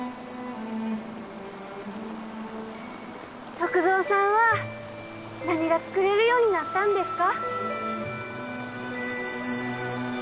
篤蔵さんは何が作れるようになったんですか